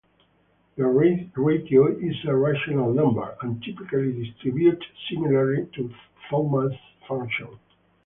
Their ratio is a rational number, and typically distributed similarly to Thomae's function.